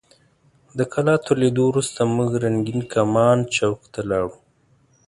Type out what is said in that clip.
د کلا تر لیدو وروسته موږ رنګین کمان چوک ته لاړو.